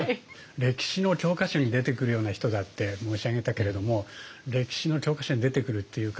歴史の教科書に出てくるような人だって申し上げたけれども歴史の教科書に出てくるっていうか